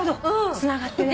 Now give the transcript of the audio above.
つながってね。